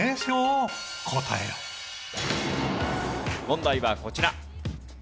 問題はこちら。